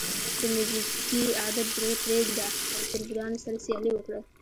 د موزیګي عادت پرېږده او تربورانو سره سیالي وکړه.